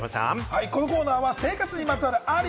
このコーナーは生活にまつわる、あり？